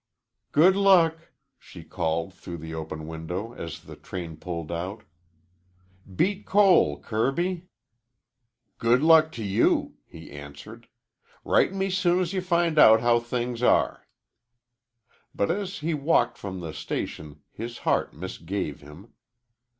"Good luck," she called through the open window as the train pulled out. "Beat Cole, Kirby." "Good luck to you," he answered. "Write me soon as you find out how things are." But as he walked from the station his heart misgave him.